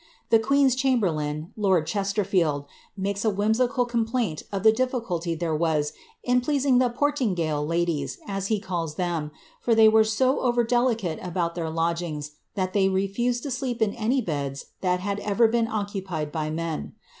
The queen's chamberlain, lord Chestcrfleld, makes a whimsical complaint of the difficulty there was in pleasing the " Portingall ladies,'' as he calls ihpm. for they were so over delicate about their lodgings, that they wfused to sleep in any beds that had ever been occupied by men.